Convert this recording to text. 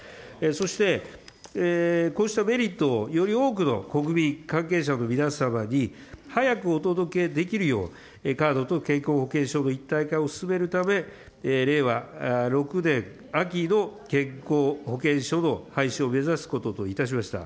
そして、こうしたメリットをより多くの国民、関係者の皆様に早くお届けできるよう、カードと健康保険証の一体化を進めるため、令和６年秋の健康保険証の廃止を目指すことといたしました。